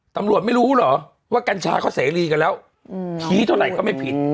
ตำรวจไม่รู้เหรอว่ากัญชาเขาเสรีกันแล้วชี้เท่าไหร่ก็ไม่ผิด